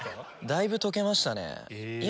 だいぶ溶けましたね。